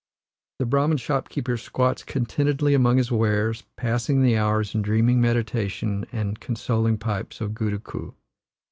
The Brahman shop keeper squats contentedly among his wares, passing the hours in dreamy meditation and in consoling pipes of goodakoo.